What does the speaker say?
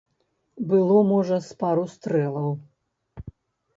Было, можа, з пару стрэлаў.